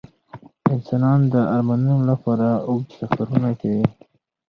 انسانان د ارمانونو لپاره اوږده سفرونه کوي.